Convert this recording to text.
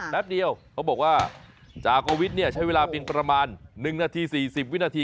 แป๊บเดียวเขาบอกว่าจากวิทย์เนี่ยใช้เวลาเพียงประมาณ๑นาที๔๐วินาที